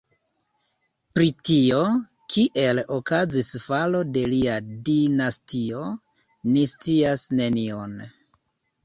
Pri tio, kiel okazis falo de lia dinastio, ni scias nenion.